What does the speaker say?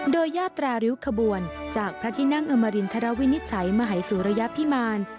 โดยยาตราริ้วขบวนจากพระที่นั่งอมรินทรวินิจฉัยมหายสุริยพิมาร